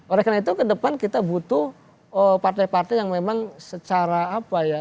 oleh karena itu ke depan kita butuh partai partai yang memang secara apa ya